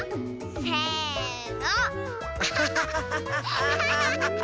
せの。